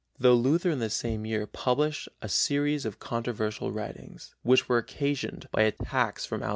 Though Luther in the same year published a series of controversial writings, which were occasioned by attacks from outside sources, viz.